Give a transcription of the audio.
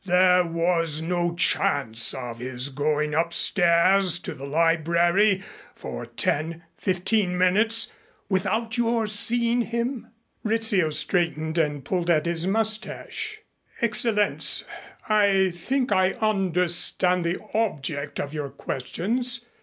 "There was no chance of his going upstairs to the library for ten fifteen minutes without your seeing him?" Rizzio straightened and pulled at his mustache. "Excellenz, I think I understand the object of your questions.